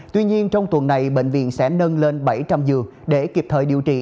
tuy nhiên trong tuần này bệnh viện sẽ nâng lên bảy trăm linh giường để kịp thời điều trị